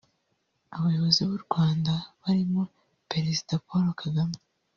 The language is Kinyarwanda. Abayobozi b’u Rwanda barimo Perezida Paul Kagame